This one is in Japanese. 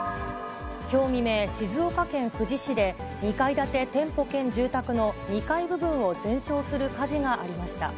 きょう未明、静岡県富士市で、２階建て店舗兼住宅の２階部分を全焼する火事がありました。